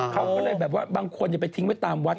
เขาก็เลยแบบว่าบางคนไปทิ้งไว้ตามวัด